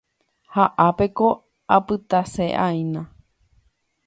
Ha ápeko apytase'aína